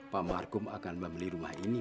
pak markum akan membeli rumah ini